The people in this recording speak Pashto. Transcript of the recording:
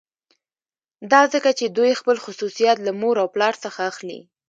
دا ځکه چې دوی خپل خصوصیات له مور او پلار څخه اخلي